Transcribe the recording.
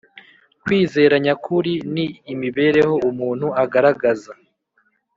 kwizera nyakuri ni imibereho umuntu agaragaza